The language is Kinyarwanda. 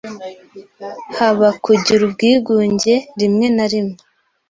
haba kugira ubwigunge rimwe na rimwe